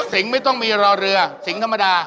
ไม่ต้องมีรอเรือสิงห์ธรรมดา